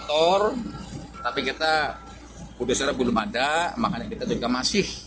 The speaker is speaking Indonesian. motor tapi kita sudah serap belum ada makanya kita juga masih